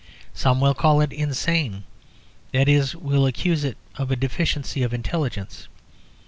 Some will call it insane; that is, will accuse it of a deficiency of intelligence.